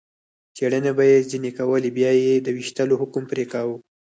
څېړنې به یې ځنې کولې، بیا به یې د وېشتلو حکم پرې کاوه.